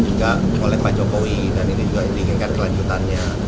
juga oleh pak jokowi dan ini juga diinginkan kelanjutannya